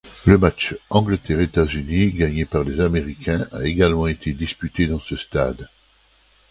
Le match Angleterre-États-Unis, gagné par les Américains, a également été disputé dans ce stade.